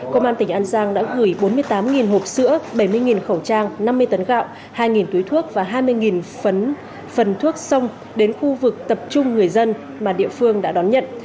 công an tỉnh an giang đã gửi bốn mươi tám hộp sữa bảy mươi khẩu trang năm mươi tấn gạo hai túi thuốc và hai mươi phần thuốc sông đến khu vực tập trung người dân mà địa phương đã đón nhận